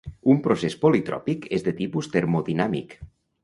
Un procés politròpic és de tipus termodinàmic.